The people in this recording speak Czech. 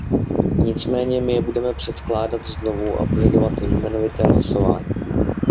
Nicméně my je budeme předkládat znovu a požadovat jmenovité hlasování.